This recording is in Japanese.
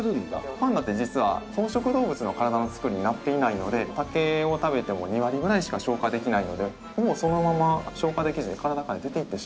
パンダって実は草食動物の体のつくりになっていないので竹を食べても２割ぐらいしか消化できないのでほぼそのまま消化できずに体から出ていってしまうんです。